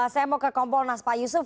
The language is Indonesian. saya mau ke kompolnas pak yusuf